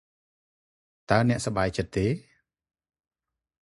តើអ្នកសប្បាយចិត្តទេ?